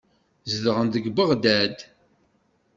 Zedɣen deg Beɣdad.